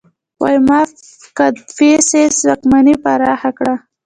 ویما کدفیسس واکمني پراخه کړه